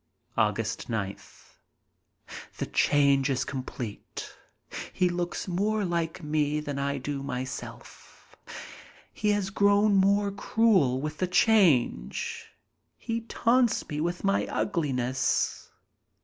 Aug. 9th. The change is complete. He looks more like me than I do myself. He has grown more cruel with the change. He taunts me with my ugliness.